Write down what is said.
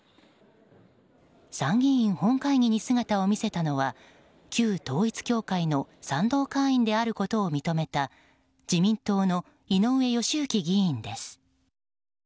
参議院本会議に姿を見せたのは旧統一教会の賛同会員であることを認めた自民党の井上義行議員です。